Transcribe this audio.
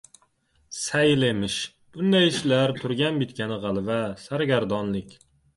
Sayil emish! Bunday ishlar turgan-bitgani g‘alva, sargardonlik!